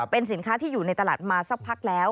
เป็นสินค้าที่อยู่ในตลาดมาสักพักแล้ว